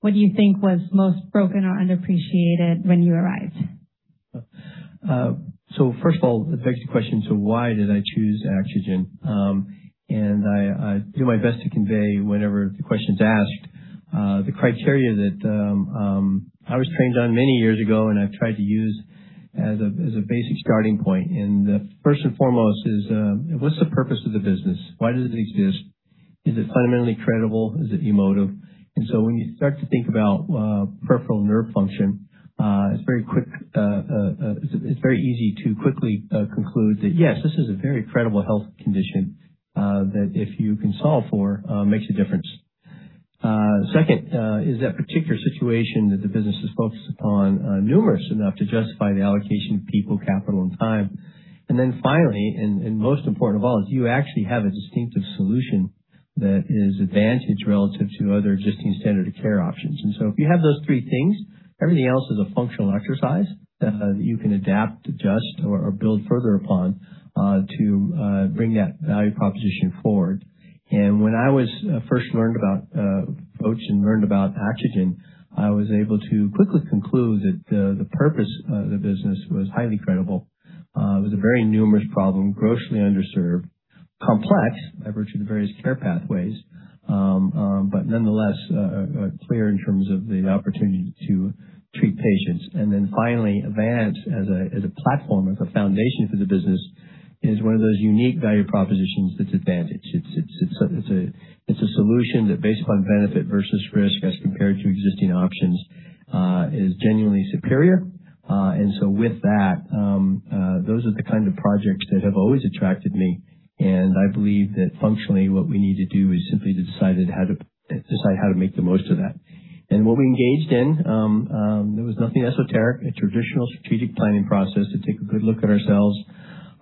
What do you think was most broken or underappreciated when you arrived? First of all, it begs the question, why did I choose Axogen? And I do my best to convey whenever the question's asked, the criteria that I was trained on many years ago, and I've tried to use as a basic starting point. First and foremost is, what's the purpose of the business? Why does it exist? Is it fundamentally credible? Is it emotive? When you start to think about peripheral nerve function, it's very easy to quickly conclude that, yes, this is a very credible health condition that if you can solve for, makes a difference. Second, is that particular situation that the business is focused upon, numerous enough to justify the allocation of people, capital, and time. Finally, and most important of all, do you actually have a distinctive solution that is advantaged relative to other existing standard of care options? If you have those three things, everything else is a functional exercise that you can adapt, adjust, or build further upon to bring that value proposition forward. When I was first learned about, approached and learned about Axogen, I was able to quickly conclude that the purpose of the business was highly credible. It was a very numerous problem, grossly underserved, complex by virtue of the various care pathways, but nonetheless, clear in terms of the opportunity to treat patients. Finally, Avance as a platform, as a foundation for the business is one of those unique value propositions that's advantaged. It's a solution that based upon benefit versus risk as compared to existing options, is genuinely superior. With that, those are the kind of projects that have always attracted me, and I believe that functionally what we need to do is simply to decide how to make the most of that. What we engaged in, there was nothing esoteric. A traditional strategic planning process to take a good look at ourselves,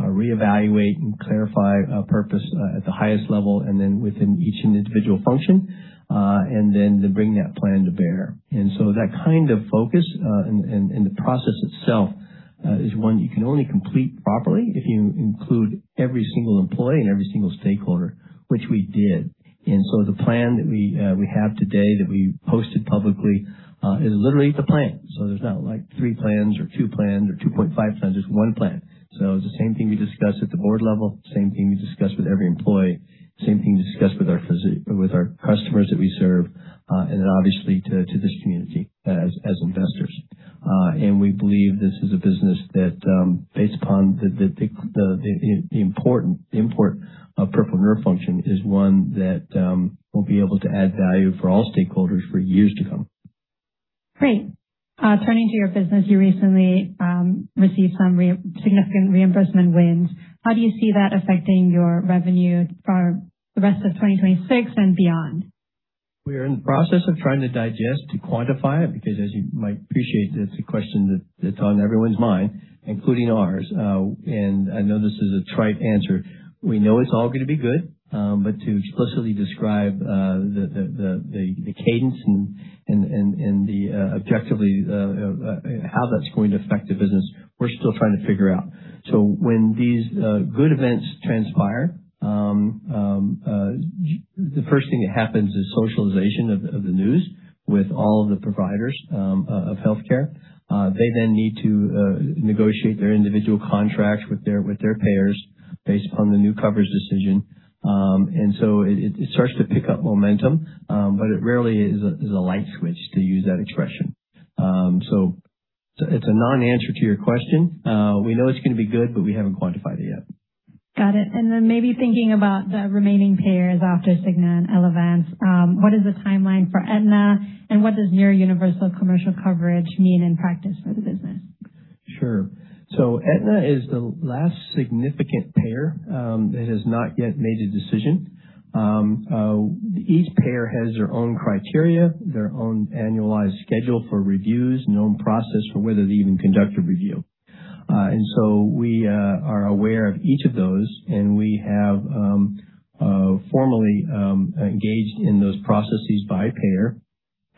reevaluate and clarify our purpose at the highest level, within each individual function, to bring that plan to bear. That kind of focus and the process itself is one you can only complete properly if you include every single employee and every single stakeholder, which we did. The plan that we have today that we posted publicly is literally the plan. There's not like three plans or two plans or 2.5 plans. There's one plan. It's the same thing we discussed at the board level, same thing we discussed with every employee, same thing discussed with our customers that we serve, and then obviously to this community as investors. We believe this is a business that, based upon the important import of peripheral nerve function, is one that will be able to add value for all stakeholders for years to come. Great. Turning to your business, you recently received some significant reimbursement wins. How do you see that affecting your revenue for the rest of 2026 and beyond? We are in the process of trying to digest, to quantify it, because as you might appreciate, that's a question that's on everyone's mind, including ours. I know this is a trite answer. We know it's all gonna be good, to explicitly describe the cadence and the objectively how that's going to affect the business, we're still trying to figure out. When these good events transpire, the first thing that happens is socialization of the news with all of the providers of healthcare. They then need to negotiate their individual contracts with their payers based upon the new coverage decision. It starts to pick up momentum, but it rarely is a, is a light switch to use that expression. It's a non-answer to your question. We know it's gonna be good, but we haven't quantified it yet. Got it. Maybe thinking about the remaining payers after Cigna and Avance, what is the timeline for Aetna, and what does near universal commercial coverage mean in practice for the business? Sure. Aetna is the last significant payer that has not yet made a decision. Each payer has their own criteria, their own annualized schedule for reviews, and their own process for whether they even conduct a review. We are aware of each of those, and we have formally engaged in those processes by payer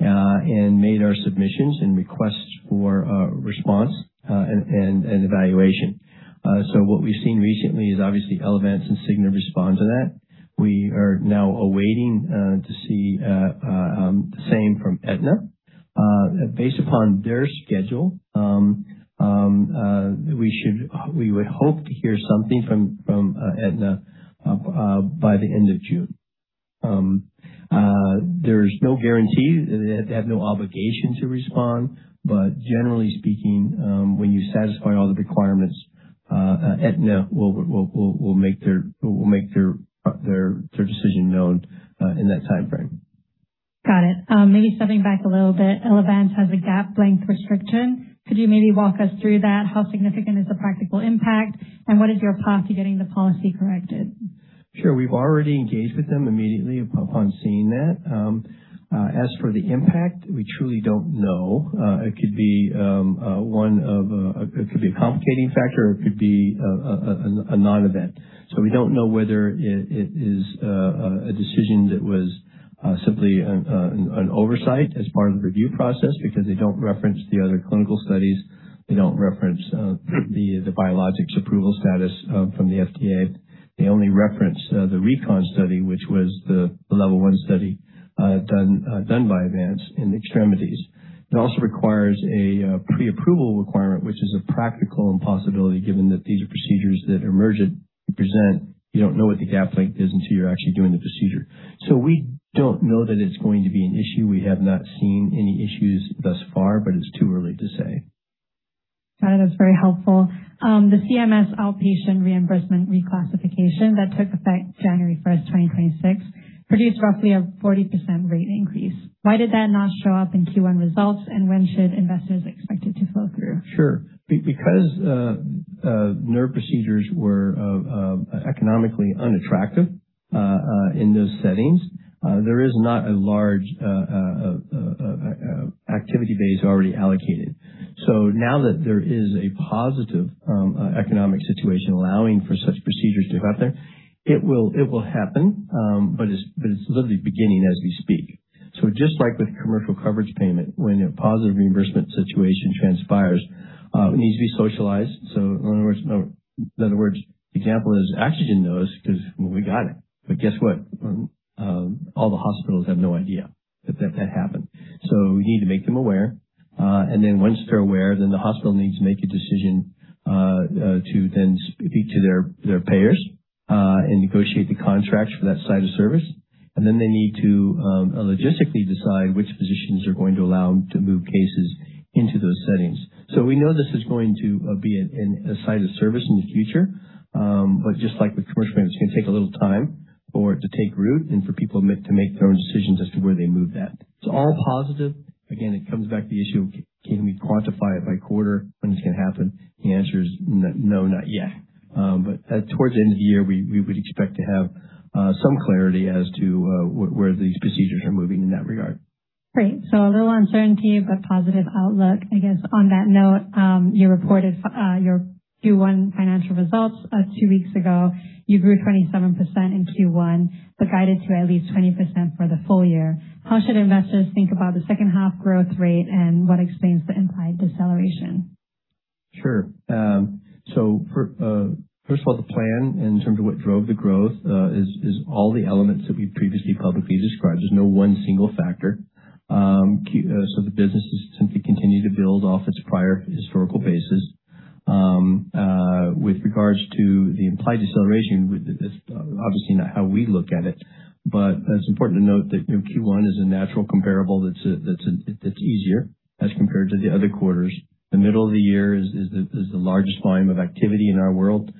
and made our submissions and requests for a response and evaluation. What we've seen recently is obviously Avance and Cigna respond to that. We are now awaiting to see the same from Aetna. Based upon their schedule, we would hope to hear something from Aetna by the end of June. There's no guarantee. They have no obligation to respond. Generally speaking, when you satisfy all the requirements, Aetna will make their decision known in that timeframe. Got it. Maybe stepping back a little bit. Avance has a gap length restriction. Could you maybe walk us through that? How significant is the practical impact, and what is your path to getting the policy corrected? Sure. We've already engaged with them immediately upon seeing that. As for the impact, we truly don't know. It could be a complicating factor or it could be a non-event. We don't know whether it is a decision that was simply an oversight as part of the review process because they don't reference the other clinical studies. They don't reference the biologics approval status from the FDA. They only reference the RECON study, which was the Level 1 study done by Avance in extremities. It also requires a pre-approval requirement, which is a practical impossibility given that these are procedures that are emergent present. You don't know what the gap length is until you're actually doing the procedure. We don't know that it's going to be an issue. We have not seen any issues thus far, but it's too early to say. Got it. That's very helpful. The CMS outpatient reimbursement reclassification that took effect January 1st, 2026, produced roughly a 40% rate increase. Why did that not show up in Q1 results, and when should investors expect it to flow through? Sure. Because nerve procedures were economically unattractive in those settings, there is not a large activity base already allocated. Now that there is a positive economic situation allowing for such procedures to happen, it will happen, but it's literally beginning as we speak. Just like with commercial coverage payment, when a positive reimbursement situation transpires, it needs to be socialized. In other words, example is Axogen knows 'cause we got it. Guess what? All the hospitals have no idea that happened. We need to make them aware, and then once they're aware, the hospital needs to make a decision to then speak to their payers and negotiate the contracts for that site of service. They need to logistically decide which physicians are going to allow them to move cases into those settings. We know this is going to be a site of service in the future. Just like with commercial payment, it's gonna take a little time for it to take root and for people to make their own decisions as to where they move that. It's all positive. Again, it comes back to the issue of can we quantify it by quarter when it's gonna happen? The answer is no, not yet. Towards the end of the year, we would expect to have some clarity as to where these procedures are moving in that regard. Great. A little uncertainty, but positive outlook. I guess on that note, you reported your Q1 financial results two weeks ago. You grew 27% in Q1, but guided to at least 20% for the full year. How should investors think about the second half growth rate and what explains the implied deceleration? Sure. First of all, the plan in terms of what drove the growth is all the elements that we've previously publicly described. There's no one single factor. The business has simply continued to build off its prior historical basis. With regards to the implied deceleration, that's obviously not how we look at it, but it's important to note that, you know, Q1 is a natural comparable that's easier as compared to the other quarters. The middle of the year is the largest volume of activity in our world.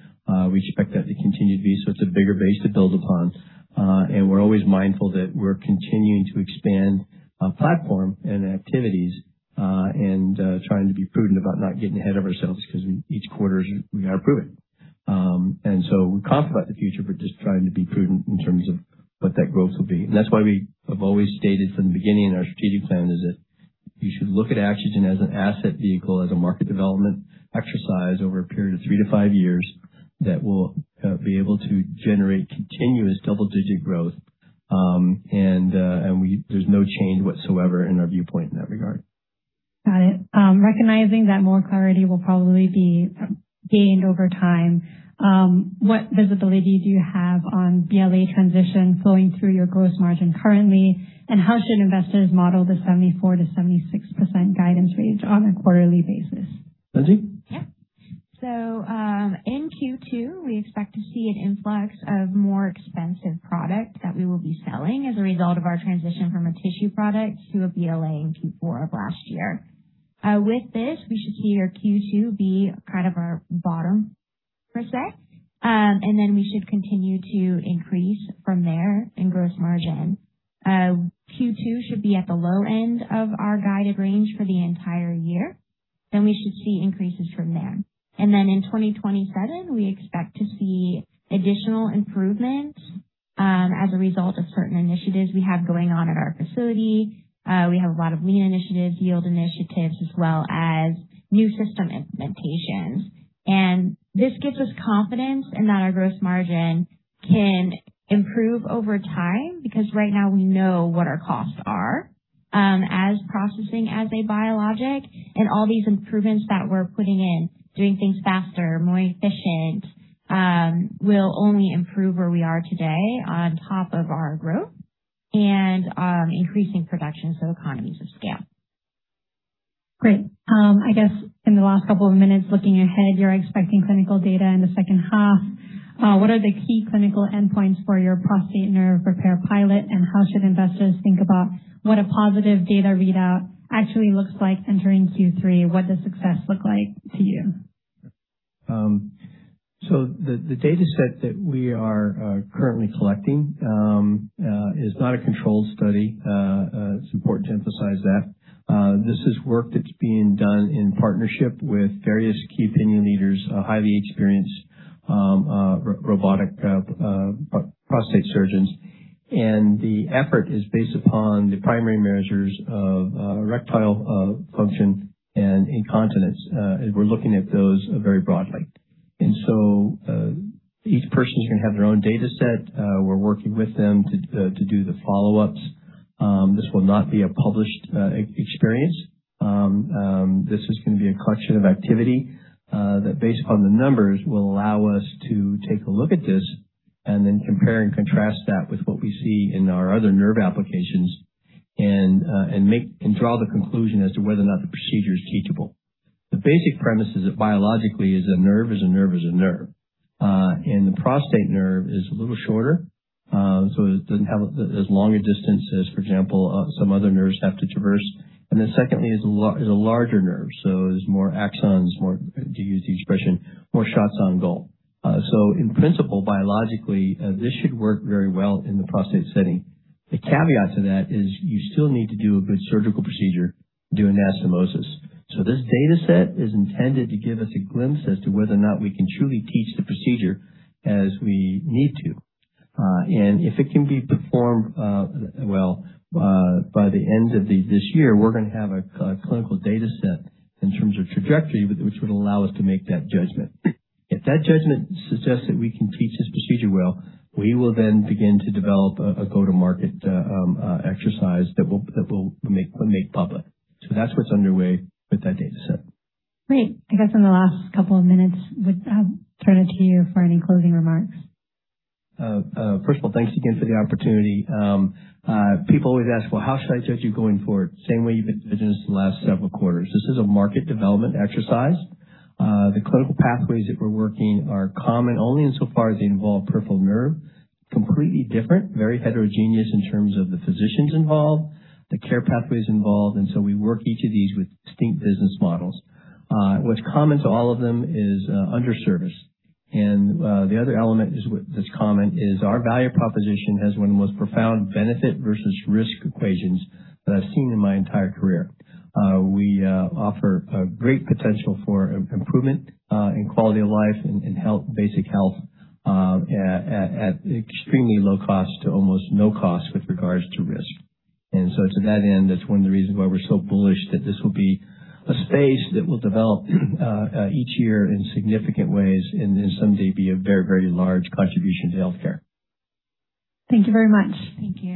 We expect that to continue to be so. It's a bigger base to build upon. We're always mindful that we're continuing to expand our platform and activities, trying to be prudent about not getting ahead of ourselves because each quarter is we are prudent. We're confident about the future, but just trying to be prudent in terms of what that growth will be. That's why we have always stated from the beginning in our strategic plan is that you should look at Axogen as an asset vehicle, as a market development exercise over a period of three to five years that will be able to generate continuous double-digit growth. There's no change whatsoever in our viewpoint in that regard. Got it. Recognizing that more clarity will probably be gained over time, what visibility do you have on BLA transition flowing through your gross margin currently? How should investors model the 74%-76% guidance range on a quarterly basis? Lindsey? Yeah. In Q2, we expect to see an influx of more expensive product that we will be selling as a result of our transition from a tissue product to a BLA in Q4 of last year. With this, we should see our Q2 be kind of our bottom, per se. Then we should continue to increase from there in gross margin. Q2 should be at the low end of our guided range for the entire year. Then we should see increases from there. Then in 2027, we expect to see additional improvement as a result of certain initiatives we have going on at our facility. We have a lot of Lean initiatives, Yield initiatives, as well as new system implementations. This gives us confidence in that our gross margin can improve over time because right now we know what our costs are, as processing as a biologic and all these improvements that we're putting in, doing things faster, more efficient, will only improve where we are today on top of our growth and, increasing production, so economies of scale. Great. I guess in the last couple of minutes, looking ahead, you're expecting clinical data in the second half. What are the key clinical endpoints for your prostate nerve repair pilot? How should investors think about what a positive data readout actually looks like entering Q3? What does success look like to you? The data set that we are currently collecting is not a controlled study. It's important to emphasize that. This is work that's being done in partnership with various key opinion leaders, highly experienced robotic prostate surgeons. The effort is based upon the primary measures of erectile function and incontinence. We're looking at those very broadly. Each person is gonna have their own data set. We're working with them to do the follow-ups. This will not be a published experience. This is gonna be a collection of activity that based upon the numbers, will allow us to take a look at this and then compare and contrast that with what we see in our other nerve applications and draw the conclusion as to whether or not the procedure is teachable. The basic premise is that biologically is a nerve is a nerve is a nerve. The prostate nerve is a little shorter, so it doesn't have as long a distance as, for example, some other nerves have to traverse. Secondly is a larger nerve, so there's more axons, more, to use the expression, more shots on goal. In principle, biologically, this should work very well in the prostate setting. The caveat to that is you still need to do a good surgical procedure, do anastomosis. This data set is intended to give us a glimpse as to whether or not we can truly teach the procedure as we need to. And if it can be performed well by the end of this year, we're going to have a clinical data set in terms of trajectory which would allow us to make that judgment. If that judgment suggests that we can teach this procedure well, we will then begin to develop a go-to-market exercise that we'll make public. That's what's underway with that data set. Great. I guess in the last couple of minutes would turn it to you for any closing remarks. First of all, thanks again for the opportunity. People always ask, "Well, how should I judge you going forward?" Same way you've been judging us the last several quarters. This is a market development exercise. The clinical pathways that we're working are common only insofar as they involve peripheral nerve. Completely different, very heterogeneous in terms of the physicians involved, the care pathways involved. We work each of these with distinct business models. What's common to all of them is under service. The other element that's common is our value proposition has one of the most profound benefit versus risk equations that I've seen in my entire career. We offer a great potential for improvement in quality of life and health, basic health, at extremely low cost to almost no cost with regards to risk. To that end, that's one of the reasons why we're so bullish that this will be a space that will develop each year in significant ways and then someday be a very, very large contribution to healthcare. Thank you very much. Thank you.